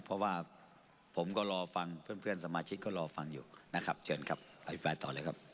เพราะว่าผมก็รอฟังเพื่อนสมาชิกก็รอฟังอยู่นะครับเชิญครับอภิปรายต่อเลยครับ